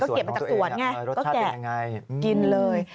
เก็บมาจากสวนไงก็แกะกินเลย